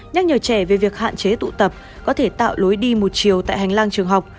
nhắc nhở trẻ về việc hạn chế tụ tập có thể tạo lối đi một chiều tại hành lang trường học